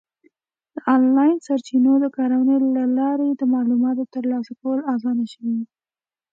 د آنلاین سرچینو د کارونې له لارې د معلوماتو ترلاسه کول اسان شوي دي.